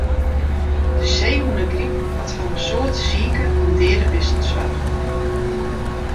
De seehûnegryp hat foar in soad sike en deade bisten soarge.